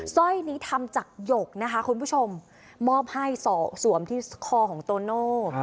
สร้อยนี้ทำจากหยกนะคะคุณผู้ชมมอบให้สวมที่คอของโตโน่